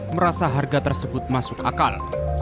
merasa harga tersebut masuk akal